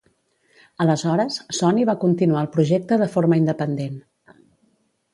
Aleshores, Sony va continuar el projecte de forma independent.